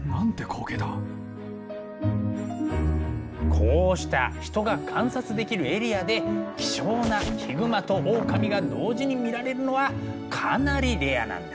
こうした人が観察できるエリアで希少なヒグマとオオカミが同時に見られるのはかなりレアなんだ。